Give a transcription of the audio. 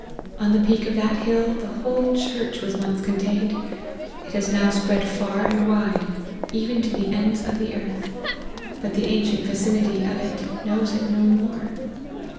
On the peak of that hill the whole church was once contained ; it has now spread far and wide, even to the ends of the earth ; but the ancient vicinity of it knows it no more.